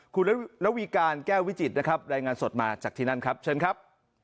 คุณระวีการแก้ววิจิตรนะครับรายงานสดมาจากที่นั่นครับเชิญครับ